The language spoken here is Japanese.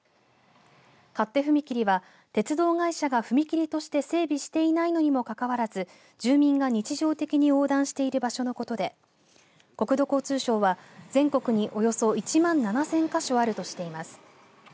勝手踏切は鉄道会社が踏切として整備していないのにもかかわらず住民が日常的に横断している場所のことで国土交通省は全国におよそ１万７０００か所あるとしています。